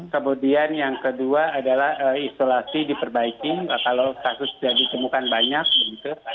kemudian yang kedua adalah isolasi diperbaiki kalau kasus sudah ditemukan banyak begitu